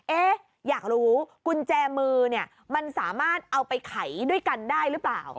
อยากรู้กุญแจมือเนี่ยมันสามารถเอาไปไขด้วยกันได้หรือเปล่า